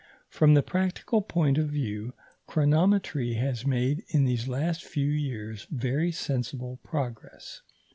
From the practical point of view, chronometry has made in these last few years very sensible progress.